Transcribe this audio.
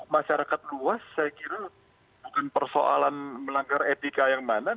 masyarakat luas saya kira bukan persoalan melanggar etika yang mana